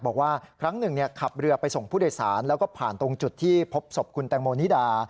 บอกว่าครั้งหนึ่งขับเรือไปส่งผู้โดยสารแล้วก็ผ่านตรงจุดที่พบศพคุณแตงโมนิดา